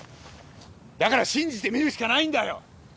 だから信じてみるしかないんだよ！